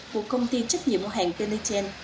của công ty trách nhiệm hữu hàng kênh lê trên